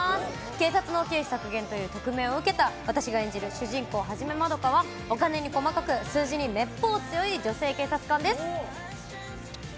警察の経費削減というトクメイを受けた私が演じる主人公、一円はお金に細かく数字にめっぽう強い女性警察官です。